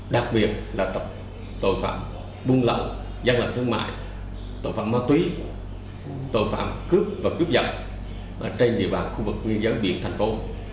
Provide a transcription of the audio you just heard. đặc biệt là tội phạm bung lẫu gian lạc thương mại tội phạm ma túy tội phạm cướp và cướp giật trên địa bàn khu vực nguyên giới biển thành phố